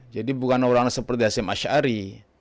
jadi bukan orang seperti hashim asyari